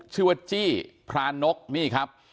ชื่อว่าจี้พรานกนี่ครับ